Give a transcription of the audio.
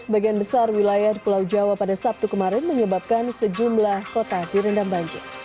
sebagian besar wilayah di pulau jawa pada sabtu kemarin menyebabkan sejumlah kota direndam banjir